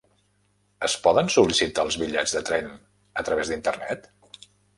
Es poden sol·licitar els bitllets de tren a través d'internet?